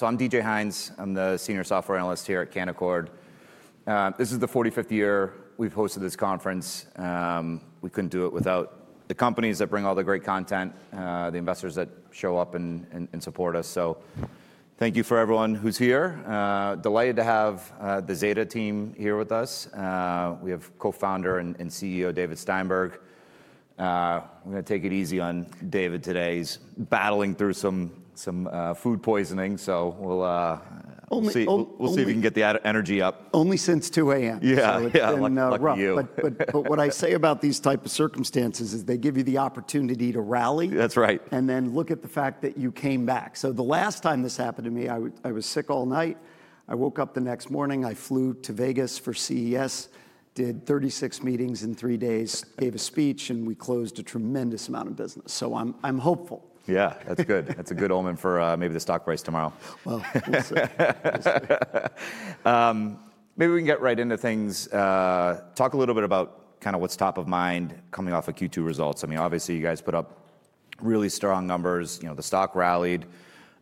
I'm DJ Hynes. I'm the Senior Software Analyst here at Canaccord. This is the 45th year we've hosted this conference. We couldn't do it without the companies that bring all the great content, the investors that show up and support us. Thank you for everyone who's here. Delighted to have the Zeta team here with us. We have Co-Founder and CEO David Steinberg. We're going to take it easy on David today. He's battling through some food poisoning. We'll see if we can get the energy up. Only since 2:00 A.M., yeah, but what I say about these type of circumstances is they give you the opportunity to rally. That's right. Then look at the fact that you came back. The last time this happened to me, I was sick all night. I woke up the next morning, I flew to Vegas for CES, did 36 meetings in three days, gave a speech, and we closed a tremendous amount of business. I'm hopeful. Yeah, that's good. That's a good omen for maybe the stock price tomorrow. Well. Maybe we can get right into things, talk a little bit about kind of what's top of mind coming off of Q2 results. I mean, obviously you guys put up really strong numbers. The stock rallied.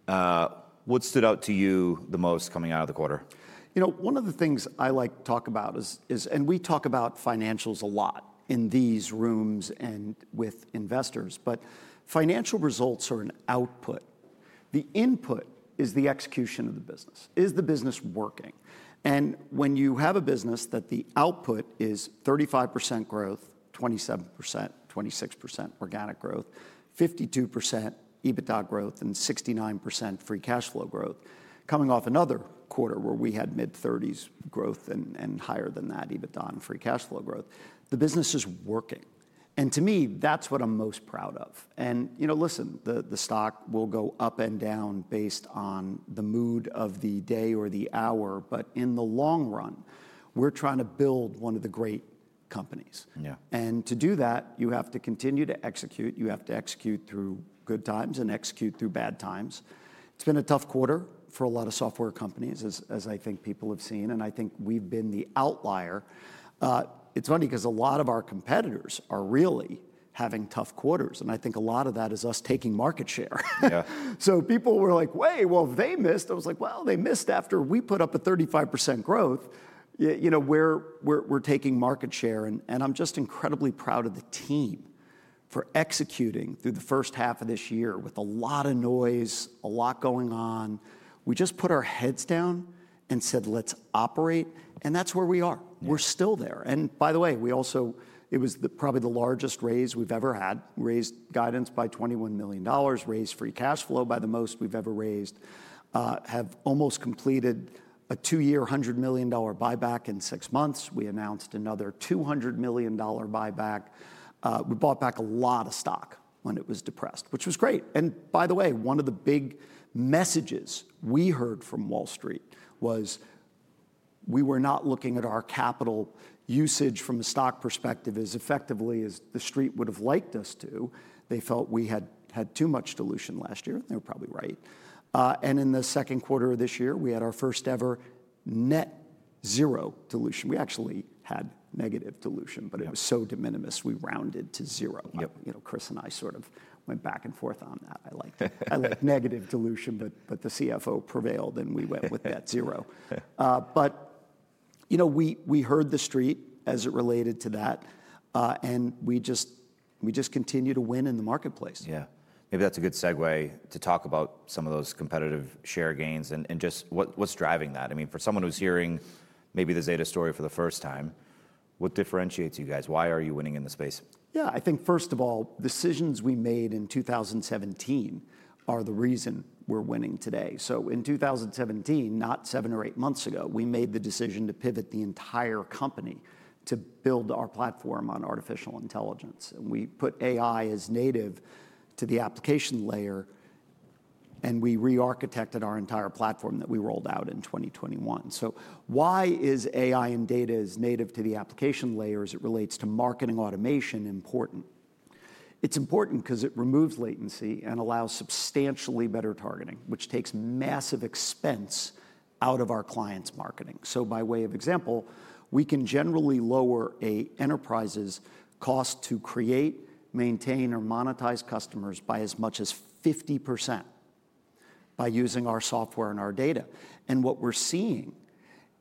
What stood out to you the most coming out of the quarter? You know, one of the things I like to talk about is, we talk about financials a lot in these rooms and with investors, but financial results are an output. The input is the execution of the business. Is the business working? When you have a business that the output is 35% growth, 27%, 26% organic growth, 52% EBITDA growth, and 69% free cash flow growth, coming off another quarter where we had mid-30s growth and higher than that, EBITDA and free cash flow growth, the business is working. To me, that's what I'm most proud of. The stock will go up and down based on the mood of the day or the hour. In the long run, we're trying to build one of the great companies. Yeah To do that, you have to continue to execute. You have to execute through good times and execute through bad times. It's been a tough quarter for a lot of software companies, as I think people have seen, and I think we've been the outlier. It's funny because a lot of our competitors are really having tough quarters, and I think a lot of that is us taking market share. Yeah People were like, wait, well, if they missed. I was like, well, they missed after we put up a 35% growth, you know, we're taking market share. I'm just incredibly proud of the team for executing through the first half of this year. With a lot of noise, a lot going on, we just put our heads down and said, let's operate. That's where we are. We're still there. By the way, it was probably the largest raise we've ever had, raised guidance by $21 million, raised free cash flow by the most we've ever raised, have almost completed a two-year, $100 million buyback. In six months, another $200 million buyback. We bought back a lot of stock when it was depressed, which was great. One of the big messages we heard from Wall Street was we were not looking at our capital usage from a stock perspective as effectively as the Street would have liked us to. They felt we had had too much dilution last year. They were probably right. In the second quarter of this year, we had our first ever net zero dilution. We actually had negative dilution, but it was so de minimis, we rounded to zero. Chris and I sort of went back and forth on that. I liked it. I like negative dilution, but the CFO prevailed and we went with that zero. We heard the Street as it related to that and we just continue to win in the marketplace. Yeah, maybe that's a good segue to talk about some of those competitive share gains. What's driving that? I mean, for someone who's hearing maybe story for the first time, what differentiates you guys? Why are you winning in the space? Yeah, I think first of all, decisions we made in 2017 are the reason we're winning today. In 2017, not seven or eight months ago, we made the decision to pivot the entire company to build our platform on artificial intelligence. We put AI as native to the application layer and we rearchitected our entire platform that we rolled out in 2021. Why is AI and data as native to the application layer as it relates to marketing automation important? It's important because it removes latency and allows substantially better targeting, which takes massive expense out of our clients' marketing. By way of example, we can generally lower an enterprise's cost to create, maintain, or monetize customers by as much as 50% by using our software and our data. What we're seeing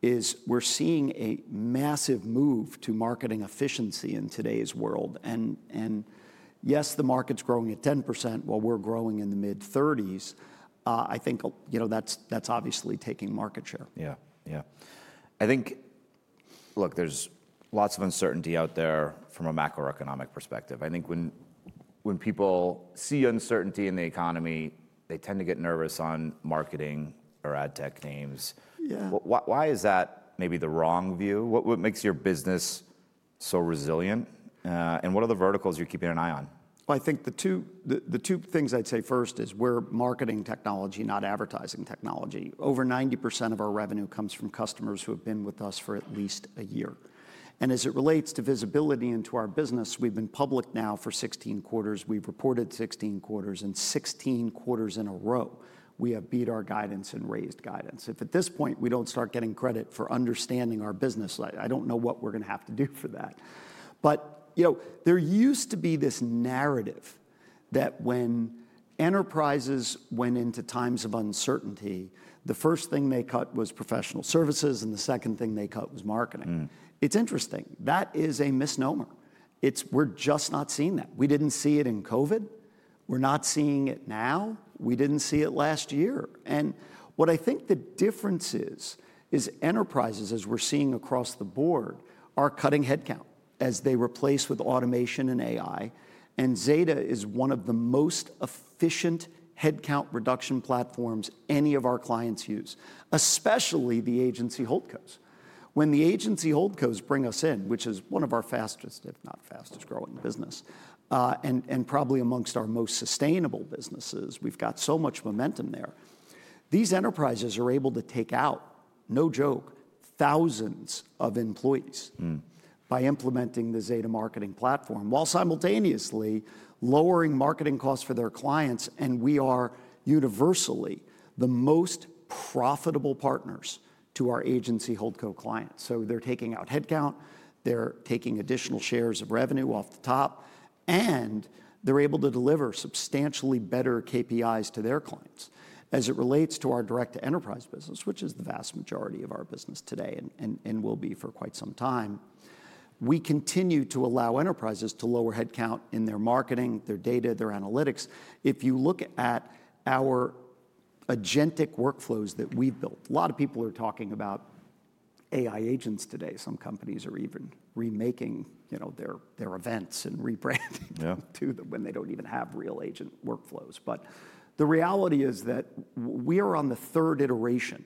is a massive move to marketing efficiency in today's world. Yes, the market's growing at 10% while we're growing in the mid-30s. I think, you know, that's obviously taking market share. Yeah, I think, look, there's lots of uncertainty out there from a macroeconomic perspective. I think when people see uncertainty in the economy, they tend to get nervous on marketing or ad tech names. Yeah. Why is that? Maybe the wrong view. What makes your business so resilient, and what are the verticals you're keeping an eye on? I think the two things I'd say first is we're marketing technology, not advertising technology. Over 90% of our revenue comes from customers who have been with us for at least a year. As it relates to visibility into our business, we've been public now for 16 quarters. We've reported 16 quarters and 16 quarters in a row. We have beat our guidance and raised guidance. If at this point we don't start getting credit for understanding our business, I don't know what we're going to have to do for that. There used to be this narrative that when enterprises went into times of uncertainty, the first thing they cut was professional services and the second thing they cut was marketing. It's interesting. That is a misnomer. We're just not seeing that. We didn't see it in Covid, we're not seeing it now. We didn't see it last year. What I think the difference is is enterprises, as we're seeing across the board, are cutting headcount as they replace with automation and AI. Zeta is one of the most efficient headcount reduction platforms any of our clients use, especially the agency holdcos. When the agency holdcos bring us in, which is one of our fastest, if not fastest growing business and probably amongst our most sustainable businesses, we've got so much momentum there. These enterprises are able to take out, no joke, thousands of employees by implementing the Zeta Marketing Platform while simultaneously lowering marketing costs for their clients. We are universally the most profitable partners to our agency Holdco clients. They're taking out headcount, they're taking additional shares of revenue off the top and they're able to deliver substantially better KPIs to their clients. As it relates to our direct to enterprise business, which is the vast majority of our business today, will be for quite some time. We continue to allow enterprises to lower headcount in their marketing, their data, their analytics. If you look at our agentic workflows that we built, a lot of people are talking about AI agents today. Some companies are even remaking their events and rebranding to them when they don't even have real agent workflows. The reality is that we are on the third iteration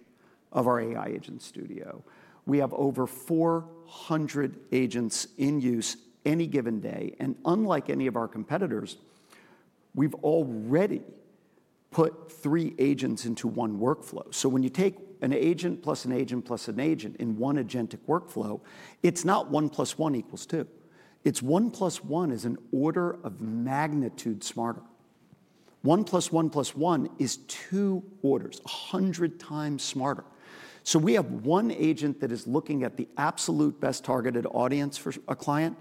of our AI Agent Studio. We have over 400 agents in use any given day. Unlike any of our competitors, we've already put three agents into one workflow. When you take an agent plus an agent plus an agent in one agentic workflow, it's not one plus one equals two, it's one plus one is an order of magnitude smarter. One plus one plus one is two orders, 100 times smarter. We have one agent that is looking at the absolute best targeted audience for a client.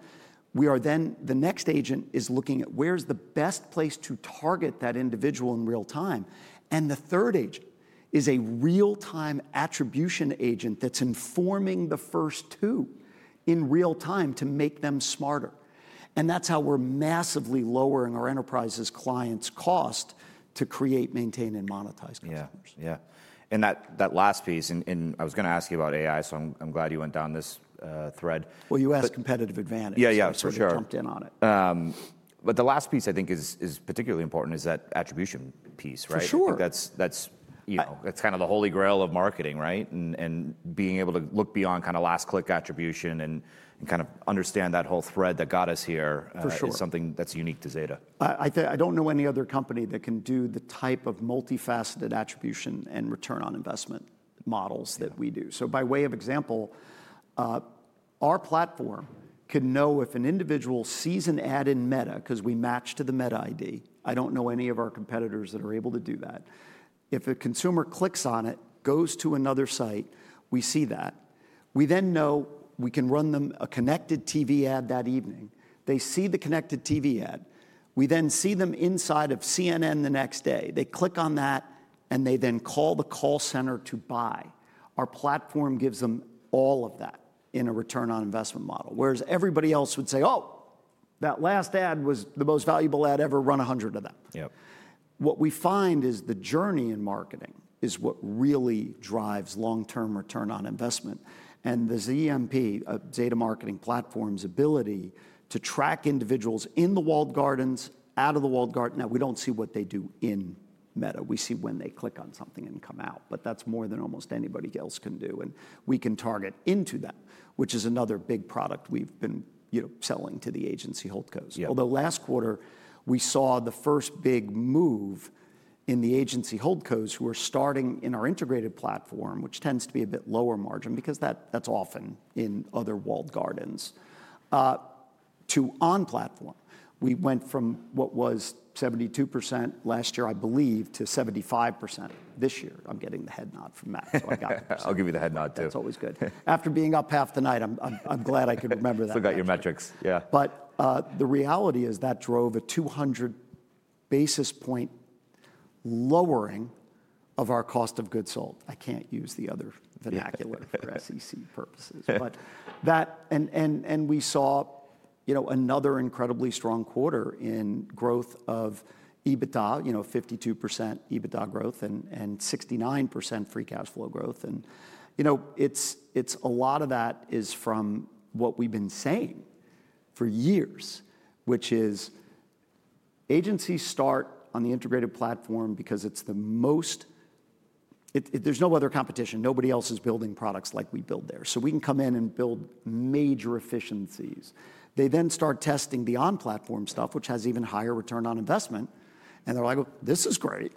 Then the next agent is looking at where's the best place to target that individual in real time. The third agent is a real time attribution agent that's informing the first two in real time to make them smarter. That's how we're massively lowering our enterprise clients' cost to create, maintain, and monetize customers. Yeah, that last piece, I was going to ask you about AI, so I'm glad you went down this thread. You asked competitive advantage. Yeah, for sure, jumped in on it. The last piece I think is particularly important is that attribution piece. Right, sure. That's kind of the holy grail of marketing. Right. Being able to look beyond last click attribution and understand that whole thread that got us here is something that's unique to Zeta. I don't know any other company that can do the type of multifaceted attribution and return on investment models that we do. By way of example, our platform could know if an individual sees an ad in Meta because we match to the Meta ID. I don't know any of our competitors that are able to do that. If a consumer clicks on it, goes to another site, we see that, we then know we can run them a connected TV ad that evening. They see the connected TV ad, we then see them inside of CNN the next day, they click on that and they then call the call center to buy. Our platform gives them all of that in a return on investment model, whereas everybody else would say, oh, that last ad was the most valuable ad ever run, a hundred of them. Yeah What we find is the journey in marketing is what really drives long term return on investment. The Zeta Marketing Platform's ability to track individuals in the walled gardens and out of the walled garden. We don't see what they do in Meta. We see when they click on something and come out. That's more than almost anybody else can do. We can target into them, which is another big product we've been selling to the agency Holdcos. Yeah Last quarter we saw the first big move in the agency Holdcos who are starting in our integrated platform, which tends to be a bit lower margin because that's often in other walled gardens too on platform. We went from what was 72% last year, I believe, to 75% this year. I'm getting the head nod from Matt. I'll give you the head nod too. That's always good after being up half the night. I'm glad I could remember that. Forgot your metrics? Yeah. The reality is that drove a 200 basis point lowering of our cost of goods sold. I can't use the other vernacular for SEC purposes, but that and we saw another incredibly strong quarter in growth of EBITDA. 52% EBITDA growth and 69% free cash flow growth. A lot of that is from what we've been saying for years, which is agencies start on the integrated platform because it's the most. There's no other competition. Nobody else is building products like we build there, so we can come in and build major efficiencies. They then start testing the on platform stuff, which has even higher return on investment, and they're like, this is great.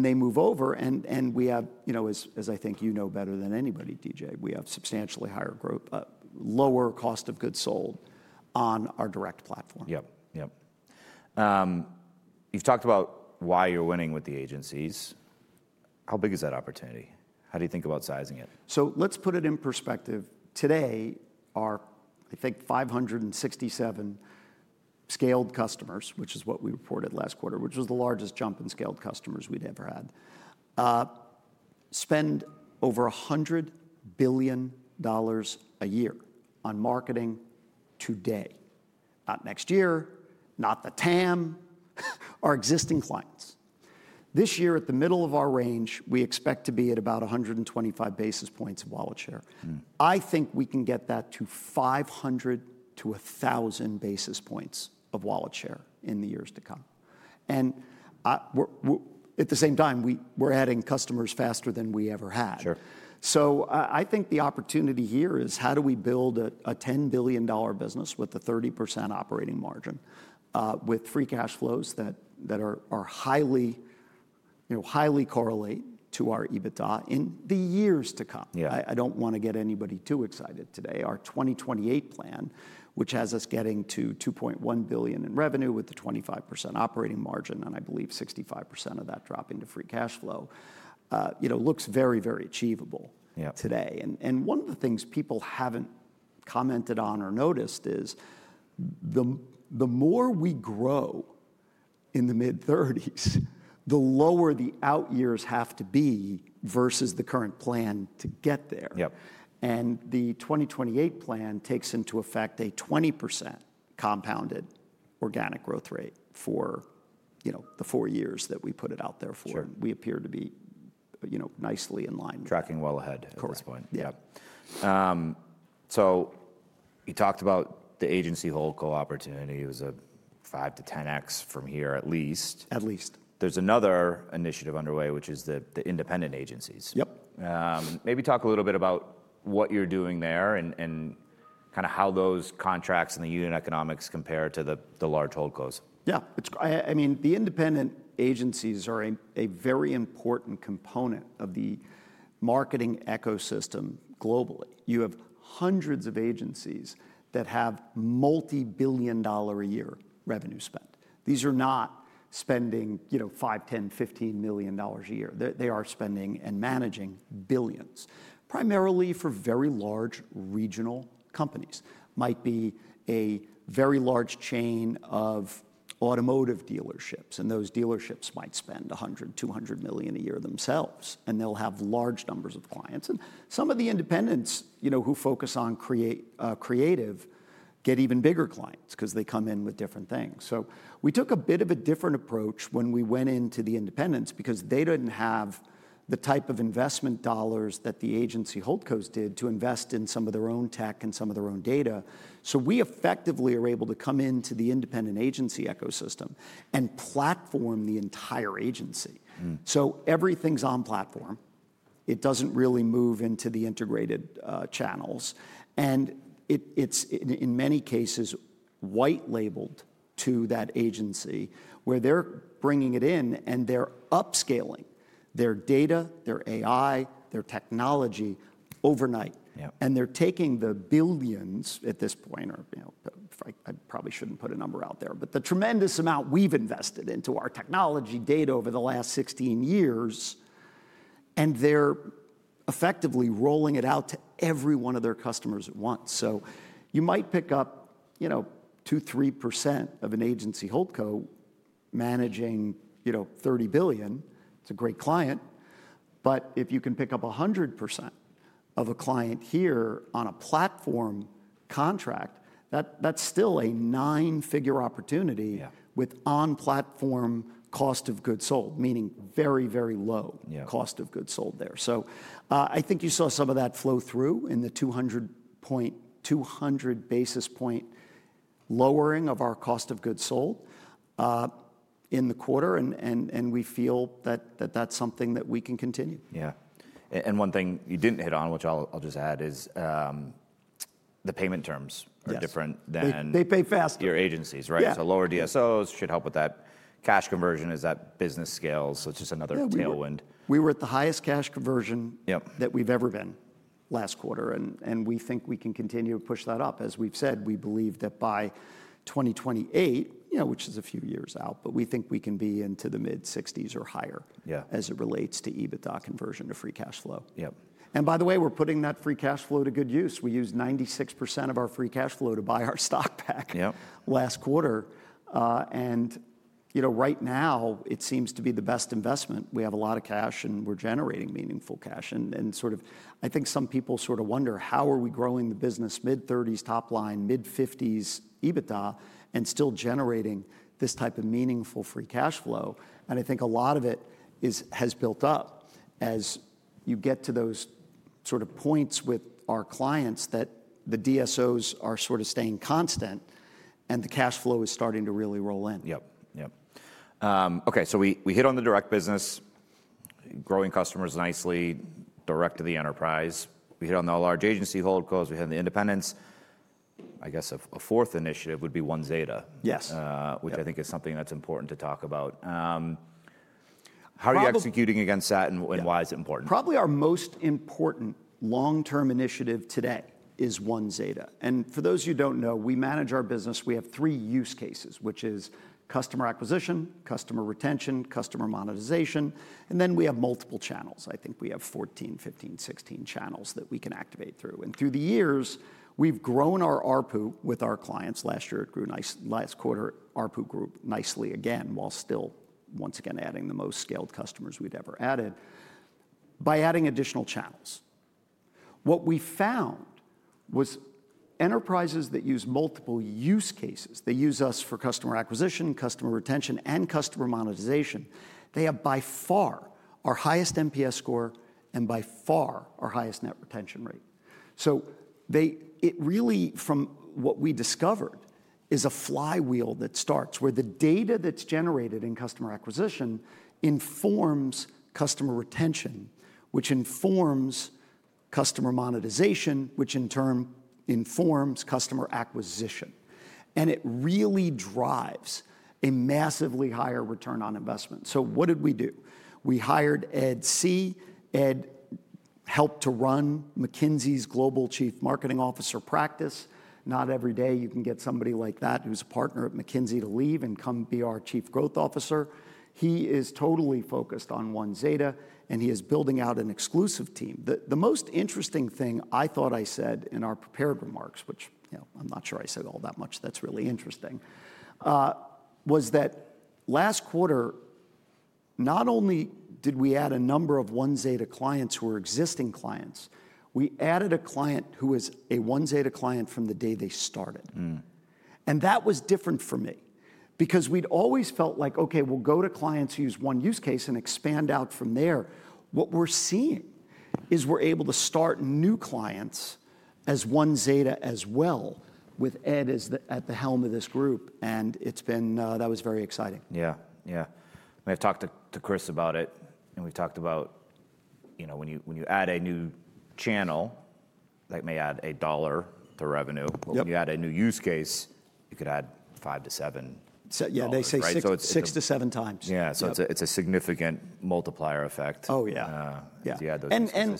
They move over and we have, as I think you know better than anybody, DJ, we have substantially higher growth, lower cost of goods sold on our direct platform. Yep, yep. You've talked about why you're winning with the agencies. How big is that opportunity? How do you think about sizing it? Let's put it in perspective. Today, our, I think, 567 scaled customers, which is what we reported last quarter, which was the largest jump in scaled customers we'd ever had, spend over $100 billion a year on marketing today, not next year, not the TAM, our existing clients. This year, at the middle of our range, we expect to be at about 125 basis points of wallet share. I think we can get that to 500-1,000 basis points of wallet share in the years to come. At the same time, we're adding customers faster than we ever had. I think the opportunity here is how do we build a $10 billion business with a 30% operating margin with free cash flows that are highly, highly correlated to our EBITDA in the years to come. I don't want to get anybody too excited. Today, our 2028 plan, which has us at $2.1 billion in revenue with the 25% operating margin and, I believe, 65% of that dropping into free cash flow, looks very, very achievable Yeah today. One of the things people haven't commented on or noticed is the more we grow in the mid-30s, the lower the out years have to be versus the current plan to get there. The 2028 plan takes into effect a 20% compounded organic growth rate for the four years that we put it out there for, and we appear to be nicely in line, tracking well ahead. Yeah, you talked about the agency hold co opportunity. It was a 5-10x from here, at least. There's another initiative underway, which is the independent agencies. Maybe talk a little bit about what you're doing there and kind of how those contracts and the unit economics compare to the large hold cos. Yeah, I mean the independent agencies are a very important component of the marketing ecosystem globally. You have hundreds of agencies that have multi-billion dollar a year revenue spent. These are not spending, you know, $5, $10, $15 million a year. They are spending and managing billions primarily for very large companies. Might be a very large chain of automotive dealerships and those dealerships might spend $100, $200 million a year themselves and they'll have large numbers of clients and some of the independents who focus on creative get even bigger clients because they come in with different things. We took a bit of a different approach when we went into the independents because they didn't have the type of investment dollars that the agency holdcos did to invest in some of their own tech and some of their own data. Effectively, we are able to come into the independent agency ecosystem and platform the entire agency. Everything's on platform. It doesn't really move into the integrated channels and it's in many cases white labeled to that agency where they're bringing it in and they're upscaling their data, their AI, their technology overnight and they're taking the billions at this point, or I probably shouldn't put a number out there, but the tremendous amount we've invested into our technology data over the last 16 years and they're effectively rolling it out to every one of their customers at once. You might pick up 2, 3% of an agency holdco managing $30 billion, it's a great client. If you can pick up 100% of a client here on a platform contract, that's still a nine-figure opportunity with on-platform cost of goods sold, meaning very, very low cost of goods sold there. I think you saw some of that flow through in the 200 basis point lowering of our cost of goods sold in the quarter and we feel that that's something that we can continue. Yeah. One thing you didn't hit on, which I'll just add, is the payment terms are different and they pay faster. Your agencies. Right. Yeah Lower DSOs should help with that cash conversion as that business scales. It's just another tailwind we were at. The highest cash conversion that we've ever been last quarter, and we think we can continue to push that up. As we've said, we believe that by 2028, you know, which is a few years out, but we think we can be into the mid-60% or higher. Yeah. As it relates to EBITDA conversion to free cash flow. Yep. By the way, we're putting that free cash flow to good use. We used 96% of our free cash flow to buy our stock back last quarter. Right now it seems to be the best investment. We have a lot of cash and we're generating meaningful cash. I think some people sort of wonder how are we growing the business mid-30% top line, mid-50% EBITDA, and still generating this type of meaningful free cash flow. I think a lot of it has built up as you get to those points with our clients that the DSOs are staying constant and the cash flow is starting to really roll in. Okay. We hit on the direct business, growing customers nicely direct to the enterprise. We hit on the large agency hold calls, we hit on the independents. I guess a fourth initiative would be One Zeta. Yes. Which I think is something that's important to talk about. How are you executing against that, and why is it important? Probably our most important long term initiative today is One Zeta. For those who don't know, we manage our business. We have three use cases, which is customer acquisition, customer retention, customer monetization, and then we have multiple channels. I think we have 14, 15, 16 channels that we can activate. Through the years we've grown our ARPU with our clients. Year it grew nice. Last quarter ARPU grew nicely again while still once again adding the most scaled customers we'd ever added. By adding additional channels, what we found was enterprises that use multiple use cases. They use us for customer acquisition, customer retention, and customer monetization. They have by far our highest NPS score and by far our highest net retention rate. It really, from what we discovered, is a flywheel that starts where the data that's generated in customer acquisition informs customer retention, which informs customer monetization, which in turn informs customer acquisition. It really drives a massively higher return on investment. What did we do? We hired Edc. Ed helped to run McKinsey's Global Chief Marketing Officer practice. Not every day you can get somebody like that who's a partner at McKinsey to leave and come be our Chief Growth Officer. He is totally focused on One Zeta, and he is building out an exclusive team. The most interesting thing I thought I said in our prepared remarks, which I'm not sure I said all that much that's really interesting, was that last quarter, not only did we add a number of One Zeta clients who are existing clients, we added a client who was a One Zeta client from the day they started. That was different for me because we'd always felt like, okay, we'll go to clients, use one use case, and expand out from there. What we're seeing is we're able to start new clients as One Zeta as well, with Ed at the helm of this group. That was very exciting. Yeah, yeah. I talked to Chris Greiner about it, and we talked about, you know, when you add a new channel, that may add $1 to revenue, but when you add a new use case, you could add $5-$7. Yeah, they say six to seven times. Yeah, it's a significant multiplier effect. Oh, yeah.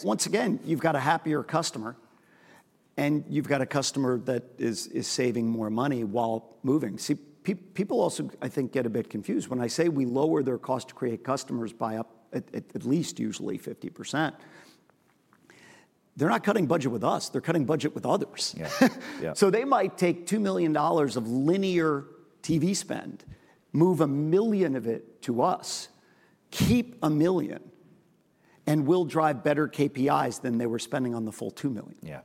Once again, you've got a happier customer and you've got a customer that is saving more money while moving. People also, I think, get a bit confused when I say we lower their cost to create customers by at least usually 50%. They're not cutting budget with us, they're cutting budget with others. They might take $2 million of linear TV spend, move $1 million of it to us, keep $1 million, and we'll drive better KPIs than they were spending on the full $2 million. Yeah.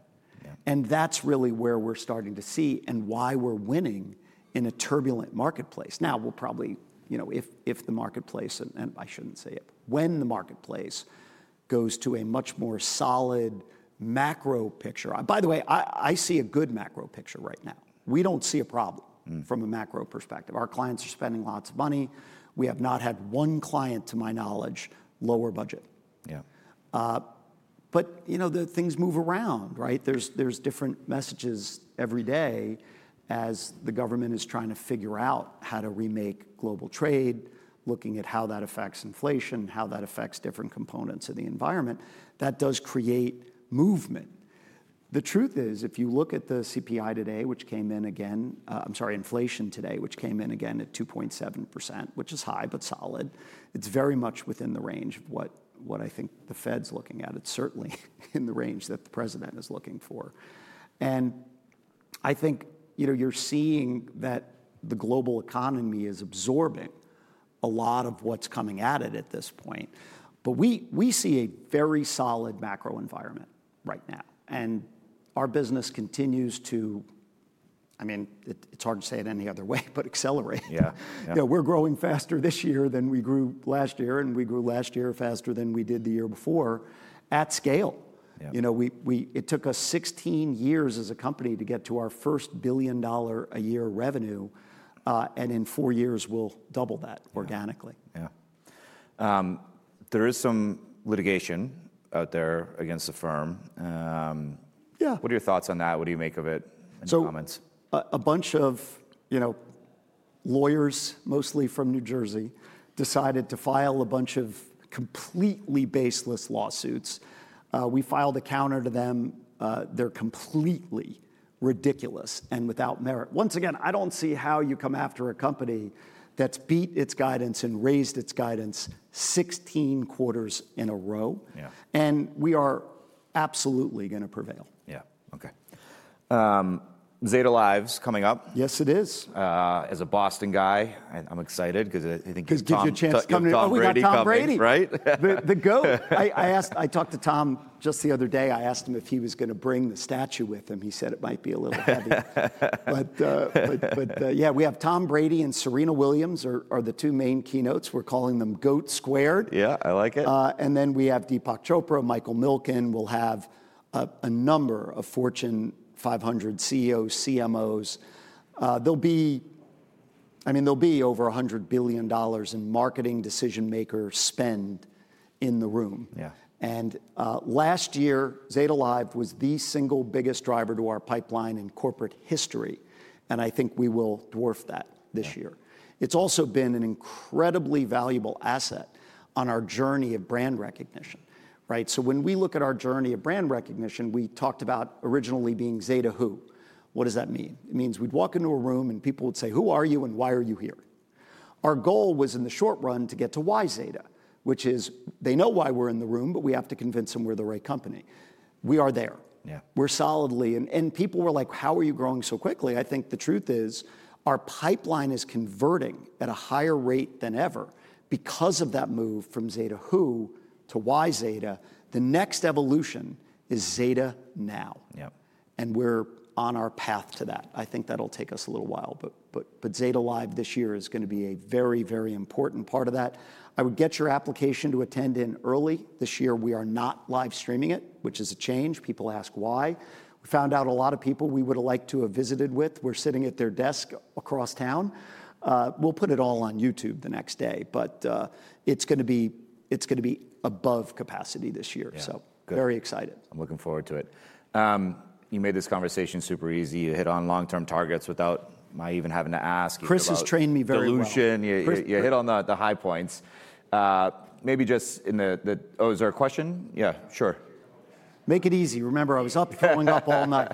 That's really where we're starting to see and why we're winning in a turbulent marketplace. If the marketplace, and I shouldn't say it, when the marketplace goes to a much more solid macro picture, by the way, I see a good macro picture right now. We don't see a problem from a macro perspective. Our clients are spending lots of money. We have not had one client, to my knowledge, lower budget. Things move around. There are different messages every day as the government is trying to figure out how to remake global trade, looking at how that affects inflation, how that affects different components of the environment. That does create movement. The truth is, if you look at the CPI today, which came in again, I'm sorry, inflation today, which came in again at 2.7%, which is high but solid. It's very much within the range of what I think the Fed's looking at. It's certainly in the range that the President is looking for. I think you're seeing that the global economy is absorbing a lot of what's coming at it at this point. We see a very solid macro environment right now. Our business continues to accelerate. Yeah We're growing faster this year than we grew last year, and we grew last year faster than we did the year before at scale. It took us 16 years as a company to get to our first $1 billion a year revenue, and in four years, we'll double that organically. Yeah, there is some litigation out there against the firm. Yeah. What are your thoughts on that? What do you make of it in the comments? A bunch of lawyers, mostly from New Jersey, decided to file a bunch of completely baseless lawsuits. We filed a counter to them. They're completely ridiculous and without merit. I don't see how you come after a company that's beat its guidance and raised its guidance 16 quarters in a row. We are absolutely going to prevail. Yeah. Okay. Zeta Live's coming up. Yes, it is. As a Boston guy, I'm excited because. I think gives you a chance to come right, the GOAT. I talked to Tom just the other day. I asked him if he was going to bring the statue with him. He said it might be a little heavy, but yeah, we have Tom Brady and Serena Williams are the two main keynotes. We're calling them GOAT Squared. Yeah, I like it. Then we have Deepak Chopra. Michael Milken will have a number of Fortune 500 CEOs, CMOs. There will be over $100 billion in marketing decision maker spending in the room. Yeah Last year, Zeta Live was the single biggest driver to our pipeline in corporate history. I think we will dwarf that this year. Sure It's also been an incredibly valuable asset on our journey of brand recognition. Right. When we look at our journey of brand recognition, we talked about originally being Zeta who. What does that mean? It means we'd walk into a room and people would say, who are you and why are you here, period. Our goal was in the short run to get to why Zeta, which is they know why we're in the room, but we have to convince them we're the right company. We are there, we're solidly. People were like, how are you growing so quickly? I think the truth is our pipeline is converting at a higher rate than ever because of that move from Zeta who to why Zeta. The next evolution is Zeta now and we're on our path to that. I think that'll take us a little while. Zeta Live this year is going to be a very, very important part of that. I would get your application to attend in early this year. We are not live streaming it, which is a change. People ask why. We found out a lot of people we would have liked to have visited with were sitting at their desk across town. We'll put it all on YouTube the next day. It's going to be above capacity this year. Very excited. I'm looking forward to it. You made this conversation super easy. You hit on long term targets without my even having to ask. Chris has trained me very well. You hit on the high points. Maybe just in the—oh, is there a question? Yeah, sure. Make it easy. Remember I was up going up all night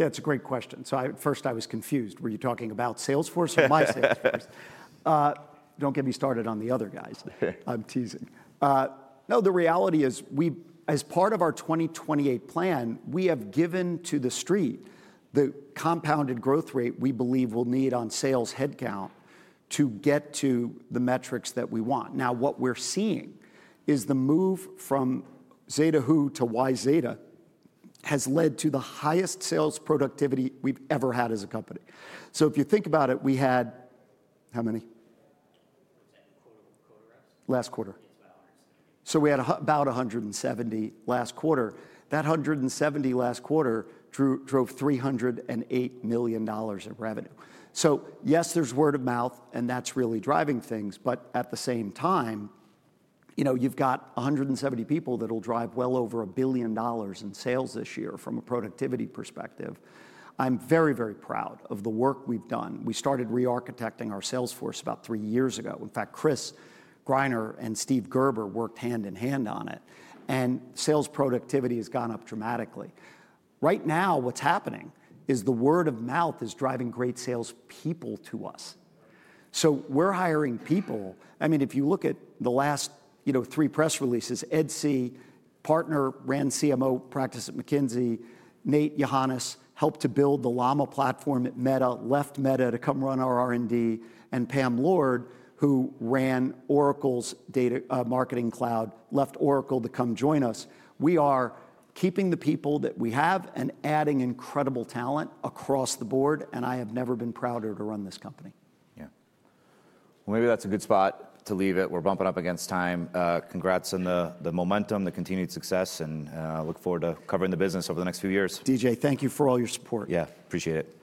versus, you know, agencies being recommended to other agencies and kind of that one gas. Yeah, it's a great question. I first was confused. Were you talking about Salesforce or my sales? Don't get me started on the other guys. I'm teasing. The reality is we, as part of our 2028 plan, have given to the street the compounded growth rate we believe we'll need on sales headcount to get to the metrics that we want. What we're seeing is the move from Zeta who to why Zeta has led to the highest sales productivity we've ever had as a company. If you think about it, we had how many last quarter? We had about 170 last quarter. That 170 last quarter drove $308 million in revenue. Yes, there's word of mouth and that's really driving things. At the same time, you've got 170 people that'll drive well over $1 billion in sales this year. From a productivity perspective, I'm very, very proud of the work we've done. We started re-architecting our salesforce about three years ago. In fact, Chris Greiner and Steven Gerber worked hand in hand on it, and sales productivity has gone up dramatically. Right now, what's happening is the word of mouth is driving great salespeople to us, so we're hiring people. If you look at the last three press releases, Edc., partner, ran CMO practice at McKinsey. Nate Johannes helped to build the Llama platform at Meta, left Meta to come run our R&D. Pam Lord, who ran Oracle's data marketing cloud, left Oracle to come join us. We are keeping the people that we have and adding incredible talent across the board. I have never been prouder to run this company. Company, yeah. Maybe that's a good spot to leave it. We're bumping up against time. Congrats on the momentum, the continued success, and look forward to covering the business over the next few years. DJ, thank you for all your support. Yeah, appreciate it.